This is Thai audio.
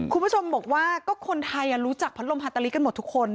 คุณผู้ชมบอกว่าก็คนไทยรู้จักพัดลมฮาตาลิกันหมดทุกคน